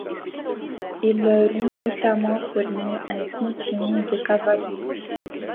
Ils leur ont notamment fourni un contingent de cavaliers.